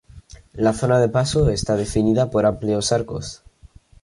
La zona de paso está definida por amplios arcos.